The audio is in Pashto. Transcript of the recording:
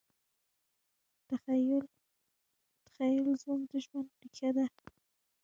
تخیل زموږ د ژوند ریښه ده.